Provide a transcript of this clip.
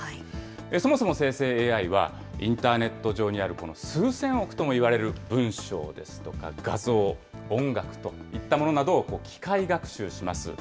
そもそも生成ＡＩは、インターネット上にあるこの数千億ともいわれる文章ですとか、画像、音楽といったものなどを機械学習します。